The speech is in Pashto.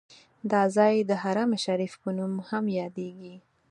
دا ځای د حرم شریف په نوم هم یادیږي.